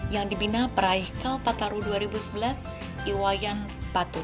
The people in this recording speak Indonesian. yang dibina peraih kalpataru dua ribu sebelas iwayan patung